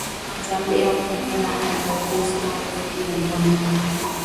Zambia kuko wa advantista wengi na rwanda